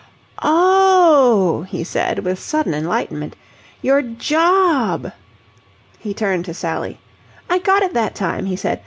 "Oh!" he said with sudden enlightenment. "Your job?" He turned to Sally. "I got it that time," he said.